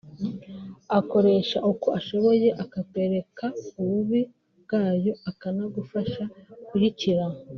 akoresha uko ashoboye akakwereka ububi bwayo akanagufasha kuyikira